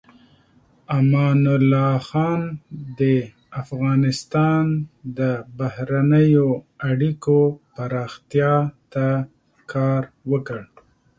امان الله خان د افغانستان د بهرنیو اړیکو پراختیا ته کار وکړ.